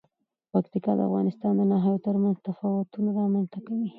پکتیکا د افغانستان د ناحیو ترمنځ تفاوتونه رامنځ ته کوي.